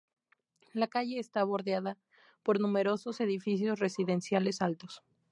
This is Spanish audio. La calle está bordeada por numerosos edificios residenciales altos.